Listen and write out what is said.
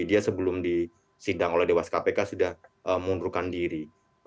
dia sebelum disidang oleh dewas kpk sudah mengundurkan diri